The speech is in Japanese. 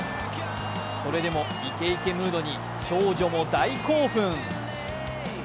それでもイケイケムードに少女も大興奮。